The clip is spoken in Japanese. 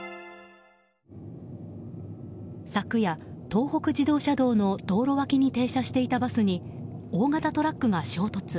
昨夜、東北自動車道の道路脇に停車していたバスに大型トラックが衝突。